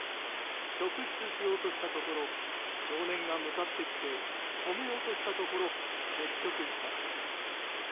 職質しようとしたところ少年が向かってきて止めようとしたところ接触した。